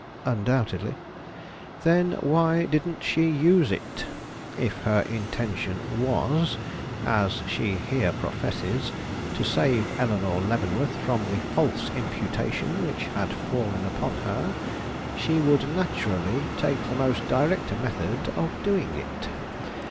"Undoubtedly." "Then why didn't she use it? If her intention was, as she here professes, to save Eleanore Leavenworth from the false imputation which had fallen upon her, she would naturally take the most direct method of doing it.